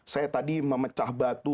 saya tadi memecah batu